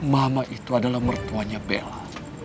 mama itu adalah mertuanya bella